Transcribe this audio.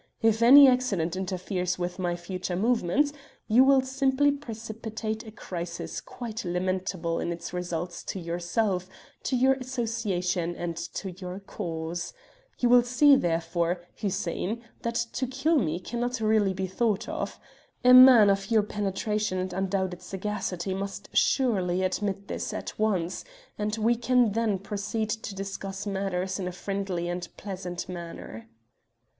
If any accident interferes with my future movements, you will simply precipitate a crisis quite lamentable in its results to yourself, to your association, and to your cause. You will see, therefore, Hussein, that to kill me cannot really be thought of. A man of your penetration and undoubted sagacity must surely admit this at once, and we can then proceed to discuss matters in a friendly and pleasant manner."